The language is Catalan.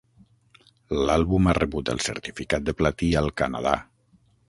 L'àlbum ha rebut el certificat de platí al Canadà.